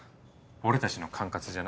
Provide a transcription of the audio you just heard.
俺たちの管轄じゃない。